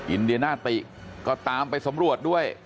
อินเดียนาติก็ตามไปสำรวจด้วย